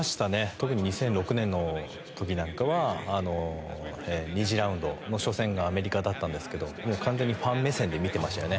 特に２００６年の時なんかは２次ラウンドの初戦がアメリカだったんですけどもう完全にファン目線で見てましたよね。